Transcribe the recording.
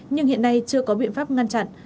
nhưng hiện nay chưa có biện pháp ngăn chặn